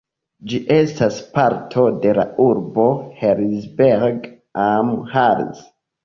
Ĝi estas parto de la urbo Herzberg am Harz.